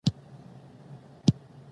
افغانستان د ځمکنی شکل له پلوه متنوع دی.